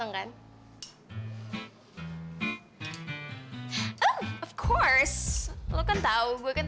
nggak album cium